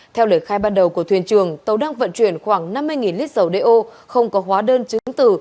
theo lời khai ban đầu của thuyền trường tàu đang vận chuyển khoảng năm mươi lít dầu đeo không có hóa đơn chứng từ